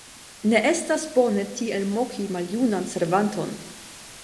Ne estas bone tiel moki maljunan servanton.